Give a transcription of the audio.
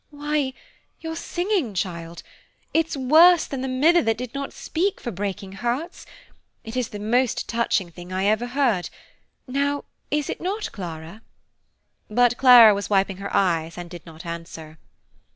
"Why, your singing, child; it's worse than the 'mither that did not speak,' for breaking hearts. It is the most touching thing I ever heard. Now is it not, Clara?" But Clara was wiping her eyes and did not answer.